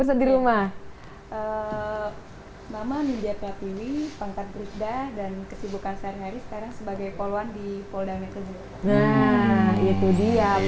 nah itu dia